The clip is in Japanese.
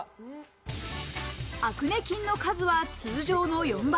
アクネ菌の数は通常の４倍。